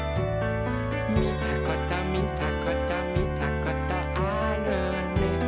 「みたことみたことみたことあるね」